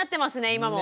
今も。